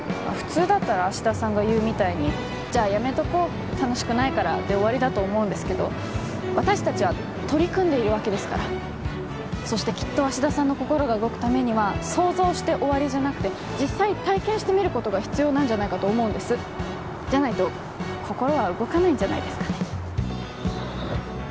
普通だったら芦田さんが言うみたいにじゃあやめとこう楽しくないからで終わりだと思うんですけど私達は取り組んでいるわけですからそしてきっと芦田さんの心が動くためには想像して終わりじゃなくて実際体験してみることが必要なんじゃないかと思うんですじゃないと心は動かないんじゃないですかね